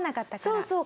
そうそう。